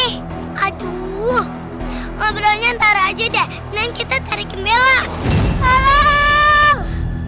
hai aduh ngobrolnya ntar aja deh neng kita tarik mela halo halo